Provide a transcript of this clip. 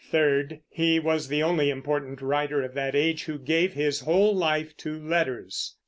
Third, he was the only important writer of that age who gave his whole life to letters.